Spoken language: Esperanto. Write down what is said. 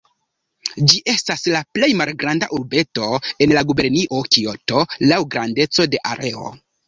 Ĝi estas la plej malgranda urbeto en la gubernio Kioto laŭ grandeco de areo.